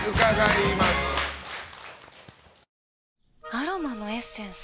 アロマのエッセンス？